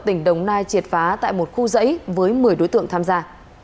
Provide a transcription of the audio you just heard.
tỉnh đồng nai triệt phá tại một khu dãy với một mươi đối tượng tham gia